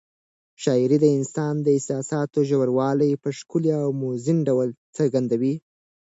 شاعري د انسان د احساساتو ژوروالی په ښکلي او موزون ډول څرګندوي.